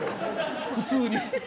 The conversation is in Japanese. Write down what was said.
普通に。